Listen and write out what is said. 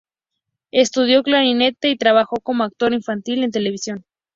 Estudio clarinete y trabajo como actor infantil en televisión.